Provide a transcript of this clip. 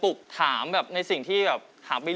เฮ้ยอย่าลืมฟังเพลงผมอาจารย์นะ